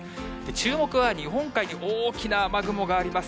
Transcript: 注目は日本海に大きな雨雲があります。